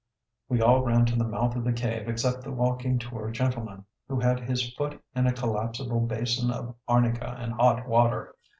We all ran to the mouth of the cave except the walking tour gentleman, who had his foot in a collapsible basin of arnica and hot water.